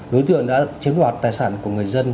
đối tượng đã chiếm đoạt tài sản của người dân